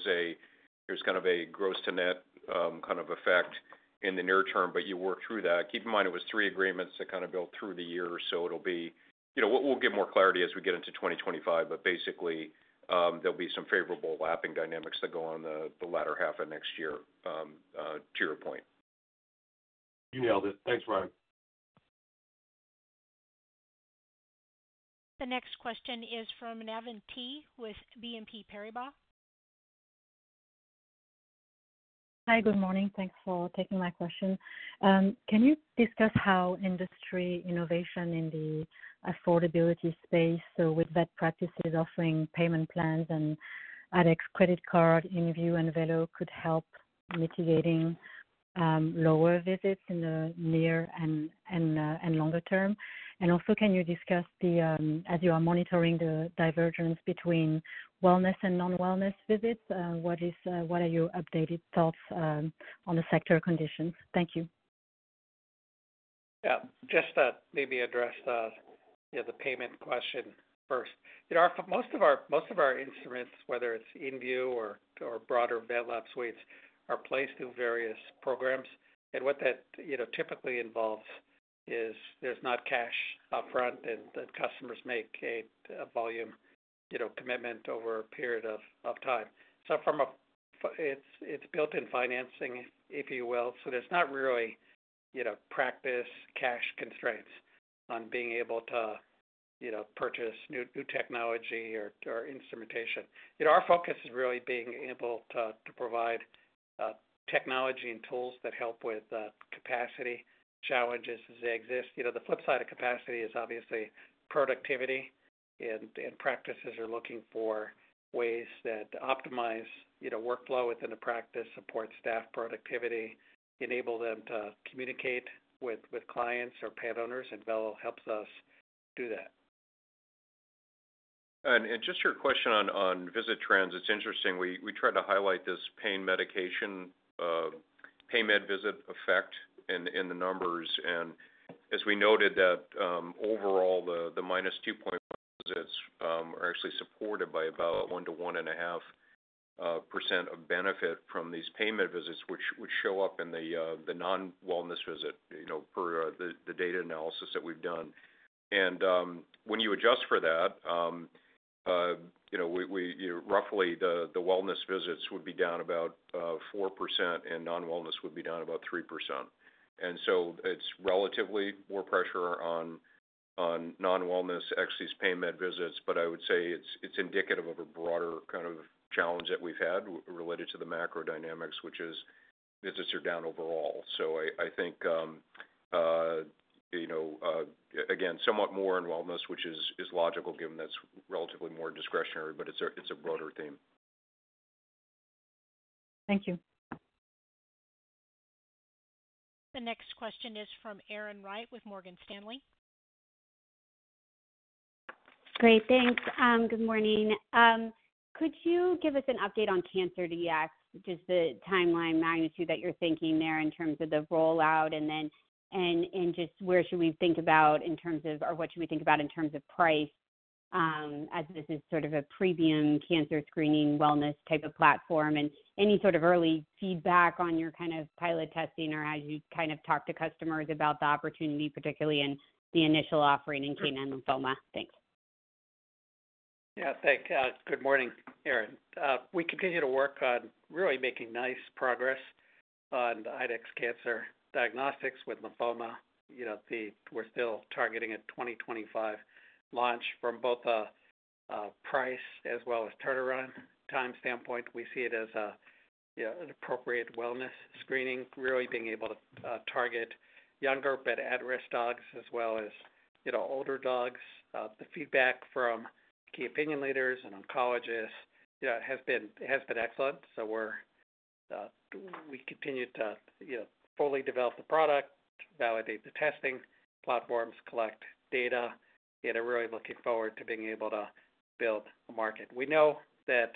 kind of a gross to net kind of effect in the near term, but you work through that. Keep in mind, it was three agreements that kind of built through the year. So it'll be. We'll get more clarity as we get into 2025, but basically, there'll be some favorable lapping dynamics that go on the latter half of next year to your point. You nailed it. Thanks, Brian. The next question is from Navin T. with BNP Paribas. Hi, good morning. Thanks for taking my question. Can you discuss how industry innovation in the affordability space, so with best practices offering payment plans and IDEXX credit card, inVue, and Vello could help mitigating lower visits in the near and longer term? And also, can you discuss the, as you are monitoring the divergence between wellness and non-wellness visits? What are your updated thoughts on the sector conditions? Thank you. Yeah. Just to maybe address the payment question first. Most of our instruments, whether it's inVue or broader VetLab suites, are placed through various programs. And what that typically involves is there's not cash upfront, and the customers make a volume commitment over a period of time. So it's built-in financing, if you will. There's not really practice cash constraints on being able to purchase new technology or instrumentation. Our focus is really being able to provide technology and tools that help with capacity challenges as they exist. The flip side of capacity is obviously productivity. And practices are looking for ways that optimize workflow within the practice, support staff productivity, enable them to communicate with clients or pet owners, and Vello helps us do that. And just your question on visit trends, it's interesting. We tried to highlight this pain medication, pain med visit effect in the numbers. And as we noted that overall, the minus 2.1 visits are actually supported by about 1% to 1.5% of benefit from these pain-med visits, which show up in the non-wellness visit per the data analysis that we've done. And when you adjust for that, roughly the wellness visits would be down about 4%, and non-wellness would be down about 3%. And so it's relatively more pressure on non-wellness, such as pain med visits, but I would say it's indicative of a broader kind of challenge that we've had related to the macro dynamics, which is visits are down overall. So I think, again, somewhat more in wellness, which is logical given that's relatively more discretionary, but it's a broader theme. Thank you. The next question is from Erin Wright with Morgan Stanley. Great. Thanks. Good morning. Could you give us an update on Cancer DX, just the timeline magnitude that you're thinking there in terms of the rollout and just where should we think about in terms of, or what should we think about in terms of price as this is sort of a premium cancer screening wellness type of platform? And any sort of early feedback on your kind of pilot testing or as you kind of talk to customers about the opportunity, particularly in the initial offering and canine lymphoma? Thanks. Yeah. Thanks. Good morning, Erin. We continue to work on really making nice progress on the IDEXX cancer diagnostics with lymphoma. We're still targeting a 2025 launch from both a price as well as turnaround time standpoint. We see it as an appropriate wellness screening, really being able to target younger but at-risk dogs as well as older dogs. The feedback from key opinion leaders and oncologists has been excellent, so we continue to fully develop the product, validate the testing platforms, collect data, and are really looking forward to being able to build a market. We know that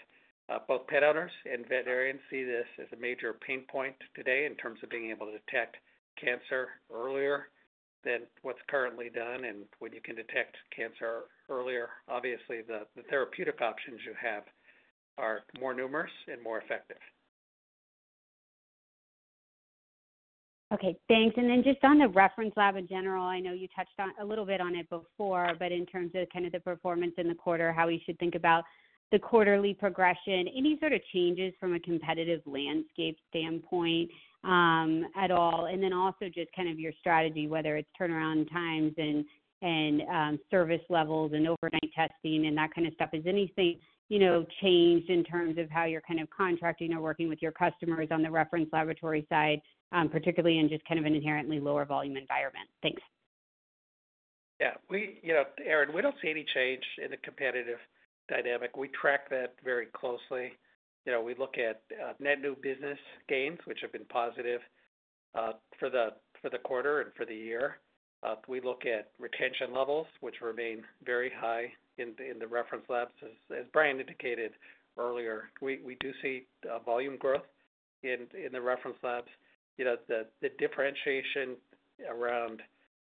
both pet owners and veterinarians see this as a major pain point today in terms of being able to detect cancer earlier than what's currently done, and when you can detect cancer earlier, obviously, the therapeutic options you have are more numerous and more effective. Okay. Thanks, and then just on the reference lab in general, I know you touched a little bit on it before, but in terms of kind of the performance in the quarter, how we should think about the quarterly progression, any sort of changes from a competitive landscape standpoint at all? And then also just kind of your strategy, whether it's turnaround times and service levels and overnight testing and that kind of stuff. Has anything changed in terms of how you're kind of contracting or working with your customers on the reference laboratory side, particularly in just kind of an inherently lower volume environment? Thanks. Yeah. Erin, we don't see any change in the competitive dynamic. We track that very closely. We look at net new business gains, which have been positive for the quarter and for the year. We look at retention levels, which remain very high in the reference labs. As Brian indicated earlier, we do see volume growth in the reference labs. The differentiation around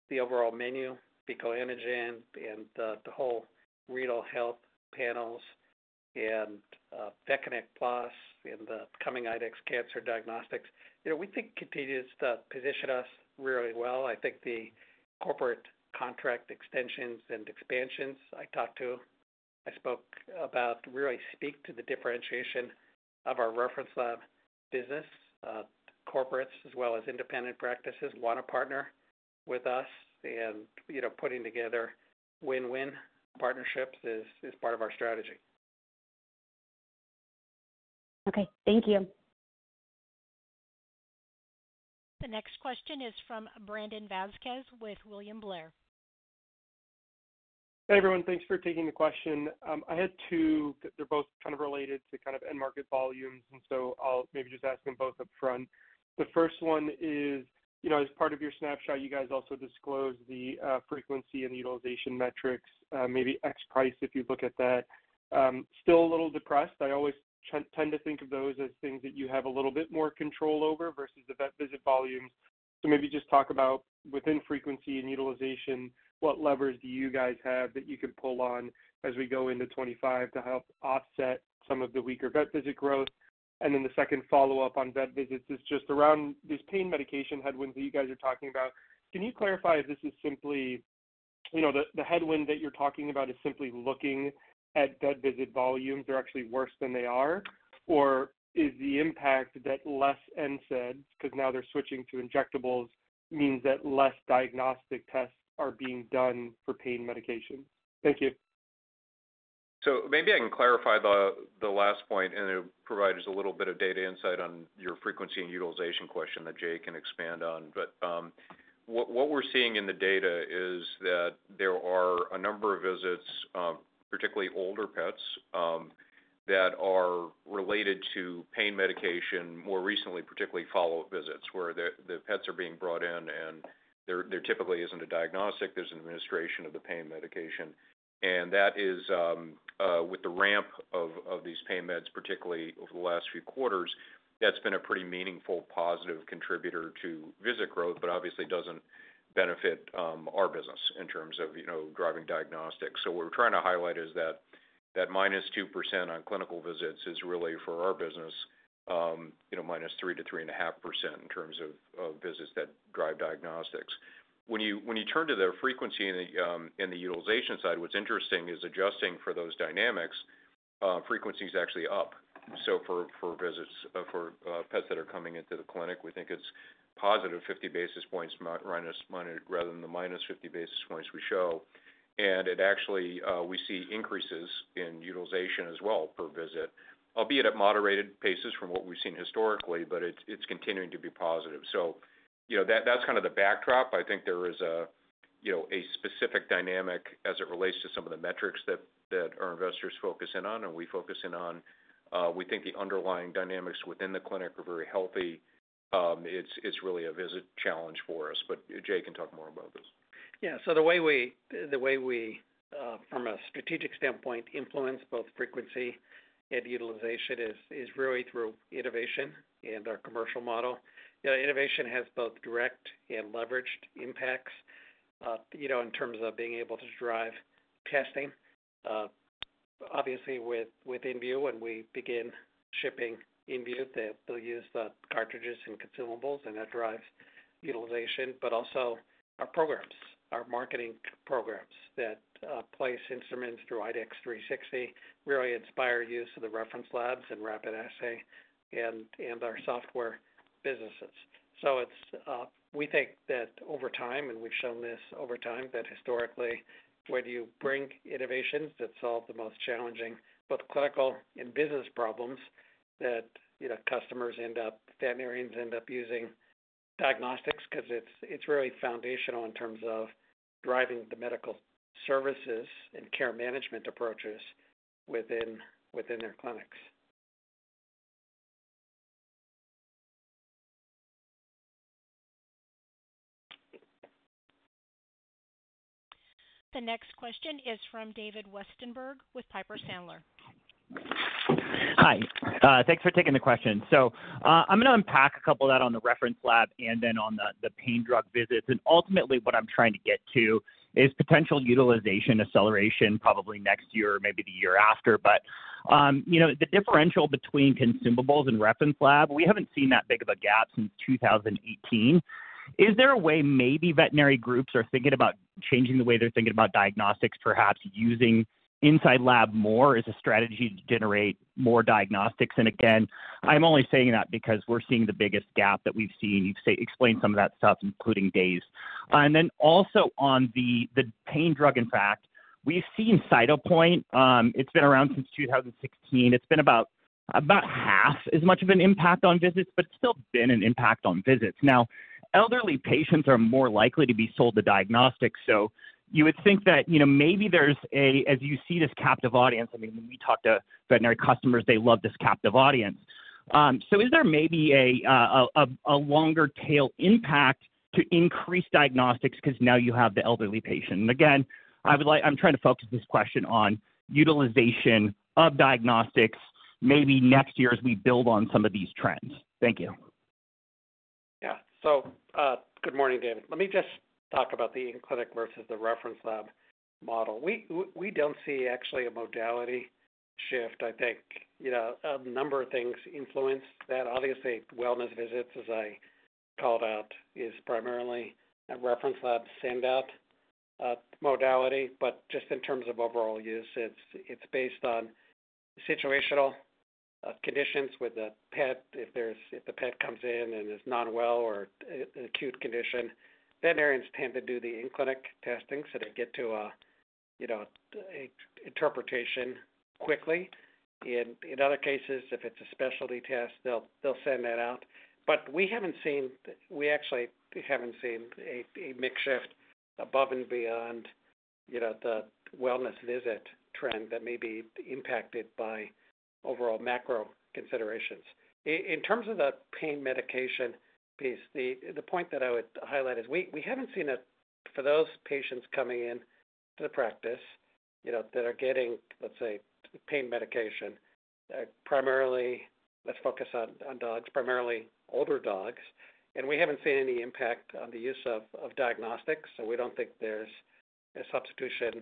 the overall menu, Fecal Antigen and the whole renal health panels and VetConnect PLUS and the coming IDEXX cancer diagnostics, we think continues to position us really well. I think the corporate contract extensions and expansions I talked to, I spoke about, really speak to the differentiation of our reference lab business. Corporates as well as independent practices want to partner with us, and putting together win-win partnerships is part of our strategy. Okay. Thank you. The next question is from Brandon Vazquez with William Blair. Hey, everyone. Thanks for taking the question. I had two. They're both kind of related to kind of end market volumes, and so I'll maybe just ask them both upfront. The first one is, as part of your snapshot, you guys also disclose the frequency and utilization metrics, maybe X price if you look at that. Still a little depressed. I always tend to think of those as things that you have a little bit more control over versus the vet visit volumes. So maybe just talk about within frequency and utilization, what levers do you guys have that you can pull on as we go into 2025 to help offset some of the weaker vet visit growth? And then the second follow-up on vet visits is just around this pain medication headwind that you guys are talking about. Can you clarify if this is simply the headwind that you're talking about is simply looking at vet visit volumes? They're actually worse than they are. Or is the impact that less NSAIDs, because now they're switching to injectables, means that less diagnostic tests are being done for pain medication? Thank you. So maybe I can clarify the last point, and it provides a little bit of data insight on your frequency and utilization question that Jay can expand on. But what we're seeing in the data is that there are a number of visits, particularly older pets, that are related to pain medication, more recently, particularly follow-up visits, where the pets are being brought in, and there typically isn't a diagnostic. There's an administration of the pain medication. And that is with the ramp of these pain meds, particularly over the last few quarters, that's been a pretty meaningful positive contributor to visit growth, but obviously doesn't benefit our business in terms of driving diagnostics. So what we're trying to highlight is that -2% on clinical visits is really for our business, -3% to -3.5% in terms of visits that drive diagnostics. When you turn to the frequency and the utilization side, what's interesting is adjusting for those dynamics, frequency is actually up. So for pets that are coming into the clinic, we think it's positive 50 basis points rather than the minus 50 basis points we show. And actually, we see increases in utilization as well per visit, albeit at moderated paces from what we've seen historically, but it's continuing to be positive. So that's kind of the backdrop. I think there is a specific dynamic as it relates to some of the metrics that our investors focus in on, and we focus in on. We think the underlying dynamics within the clinic are very healthy. It's really a visit challenge for us. But Jay can talk more about this. Yeah. So the way we, from a strategic standpoint, influence both frequency and utilization is really through innovation and our commercial model. Innovation has both direct and leveraged impacts in terms of being able to drive testing. Obviously, with inVue, when we begin shipping inVue, they'll use the cartridges and consumables, and that drives utilization. But also our programs, our marketing programs that place instruments through IDEXX 360 really inspire use of the reference labs and rapid assay and our software businesses. So we think that over time, and we've shown this over time, that historically, when you bring innovations that solve the most challenging both clinical and business problems that customers end up, veterinarians end up using diagnostics because it's really foundational in terms of driving the medical services and care management approaches within their clinics. The next question is from David Westenberg with Piper Sandler. Hi. Thanks for taking the question. So I'm going to unpack a couple of that on the reference lab and then on the pain drug visits. And ultimately, what I'm trying to get to is potential utilization acceleration probably next year or maybe the year after. But the differential between consumables and reference lab, we haven't seen that big of a gap since 2018. Is there a way maybe veterinary groups are thinking about changing the way they're thinking about diagnostics, perhaps using inside lab more as a strategy to generate more diagnostics? And again, I'm only saying that because we're seeing the biggest gap that we've seen. You've explained some of that stuff, including days. And then also on the pain drug, in fact, we've seen Cytopoint. It's been around since 2016. It's been about half as much of an impact on visits, but it's still been an impact on visits. Now, elderly patients are more likely to be sold the diagnostics. So you would think that maybe there's a, as you see this captive audience, I mean, when we talk to veterinary customers, they love this captive audience. So is there maybe a longer tail impact to increase diagnostics because now you have the elderly patient? And again, I'm trying to focus this question on utilization of diagnostics maybe next year as we build on some of these trends. Thank you. Yeah. So good morning, David. Let me just talk about the in-clinic versus the reference lab model. We don't see actually a modality shift. I think a number of things influence that. Obviously, wellness visits, as I called out, is primarily a reference lab send-out modality. But just in terms of overall use, it's based on situational conditions with a pet. If the pet comes in and is not well or an acute condition, veterinarians tend to do the in-clinic testing so they get to an interpretation quickly. And in other cases, if it's a specialty test, they'll send that out. But we actually haven't seen a mix shift above and beyond the wellness visit trend that may be impacted by overall macro considerations. In terms of the pain medication piece, the point that I would highlight is we haven't seen it for those patients coming into the practice that are getting, let's say, pain medication, primarily let's focus on dogs, primarily older dogs. And we haven't seen any impact on the use of diagnostics. So we don't think there's a substitution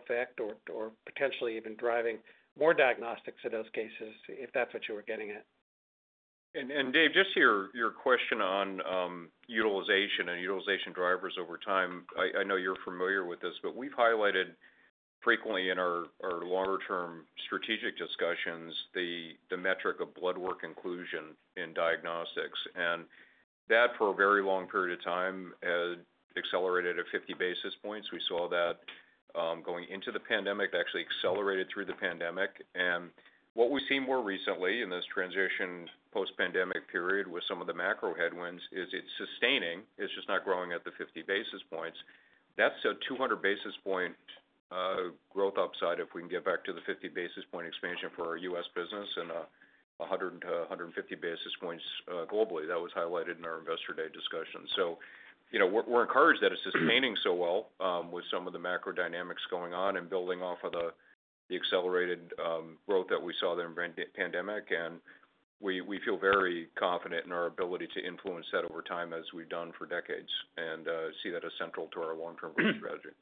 effect or potentially even driving more diagnostics in those cases if that's what you were getting at. And Dave, just your question on utilization and utilization drivers over time. I know you're familiar with this, but we've highlighted frequently in our longer-term strategic discussions the metric of blood work inclusion in diagnostics. And that for a very long period of time has accelerated at 50 basis points. We saw that going into the pandemic. Actually accelerated through the pandemic. And what we've seen more recently in this transition post-pandemic period with some of the macro headwinds is it's sustaining. It's just not growing at the 50 basis points. That's a 200 basis point growth upside if we can get back to the 50 basis point expansion for our U.S. business and 100 to 150 basis points globally. That was highlighted in our investor day discussion. So we're encouraged that it's sustaining so well with some of the macro dynamics going on and building off of the accelerated growth that we saw during the pandemic. And we feel very confident in our ability to influence that over time as we've done for decades and see that as central to our long-term growth strategy.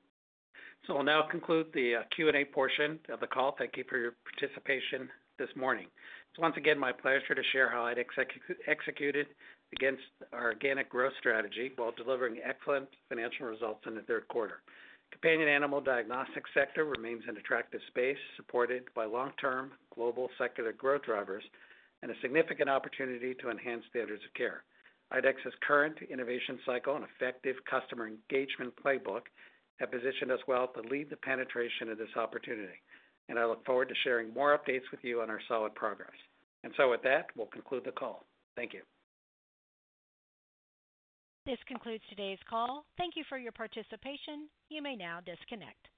So I'll now conclude the Q&A portion of the call. Thank you for your participation this morning. It's once again my pleasure to share how IDEXX executed against our organic growth strategy while delivering excellent financial results in the third quarter. Companion animal diagnostic sector remains an attractive space supported by long-term global secular growth drivers and a significant opportunity to enhance standards of care. IDEXX's current innovation cycle and effective customer engagement playbook have positioned us well to lead the penetration of this opportunity. And I look forward to sharing more updates with you on our solid progress. And so with that, we'll conclude the call. Thank you. This concludes today's call. Thank you for your participation. You may now disconnect.